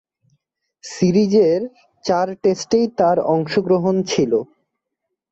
সিরিজের চার টেস্টেই তার অংশগ্রহণ ছিল।